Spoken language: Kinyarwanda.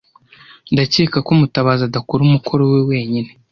Ndakeka ko Mutabazi adakora umukoro we wenyine.